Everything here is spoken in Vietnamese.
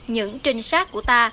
những trình sát của ta